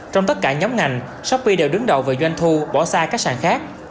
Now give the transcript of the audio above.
trong tất cả nhóm ngành shopee đều đứng đầu về doanh thu bỏ xa các sàn khác